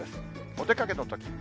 お出かけのとき。